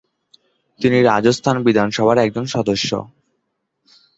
তিনি রাজস্থান বিধানসভার একজন সদস্য।